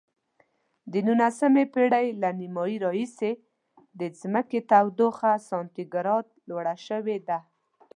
د نولسمې پیړۍ له نیمایي راهیسې د ځمکې تودوخه سانتي ګراد لوړه شوې ده.